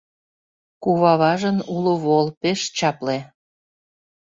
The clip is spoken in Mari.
Куваважын уло вол — пеш чапле.